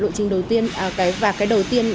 lộ trình đầu tiên và cái đầu tiên